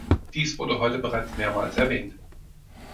Dies wurde heute bereits mehrmals erwähnt.